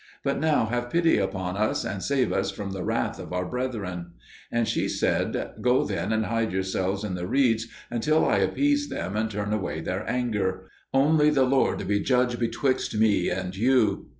But now have pity upon us, and save us from the wrath of our brethren." And she said, "Go then and hide yourselves in the reeds until I appease them and turn away their anger. Only the Lord be judge betwixt me and you."